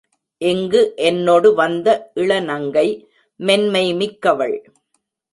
இங்கு என்னொடு வந்த இளநங்கை மென்மை மிக்கவள்.